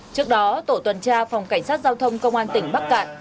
trước đó tổ tuần tra phòng cảnh sát giao thông công an tỉnh bắc cạn